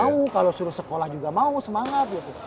mau kalau suruh sekolah juga mau semangat gitu